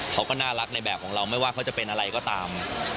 เขาก็น่ารักในแบบของเราไม่ว่าเขาจะเป็นอะไรก็ตาม